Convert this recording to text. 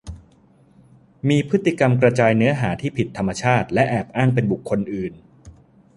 มีพฤติกรรมกระจายเนื้อหาที่ผิดธรรมชาติและแอบอ้างเป็นบุคคลอื่น